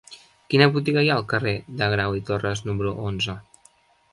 Quina botiga hi ha al carrer de Grau i Torras número onze?